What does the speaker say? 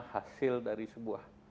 hasil dari sebuah